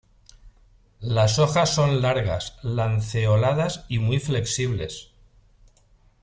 Las hojas son largas, lanceoladas y muy flexibles.